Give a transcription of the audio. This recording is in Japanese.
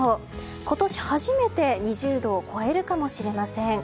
今年初めて２０度を超えるかもしれません。